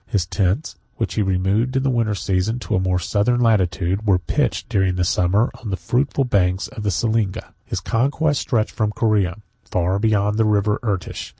His tents, which he removed in the winter season to a more southern latitude, were pitched, during the summer, on the fruitful banks of the Selinga. His conquests stretched from Corea far beyond the River Irtish.